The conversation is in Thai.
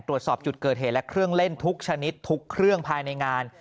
ตรวจสอบจุดเกิดเหตุและเครื่องเล่นทุกชนิดทุกเครื่องภายในงาน